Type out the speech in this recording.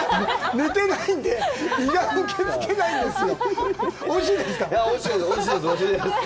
寝てないんで、胃が受け付けないんですよ。